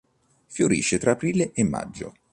Fiorisce tra aprile e maggio.